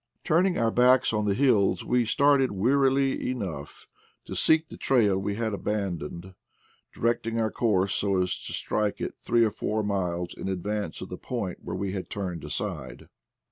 Turning our backs on the hills, we started, wearily enough, to seek the trail we had aban doned, directing our course so as to strike it three or four miles in advance of the point where we had turned aside.